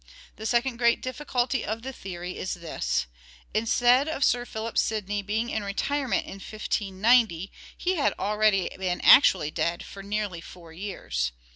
The second great difficulty of the theory is this. Instead of Sir Philip Sidney being in retirement in 1590 he had already been actually dead for nearly four years.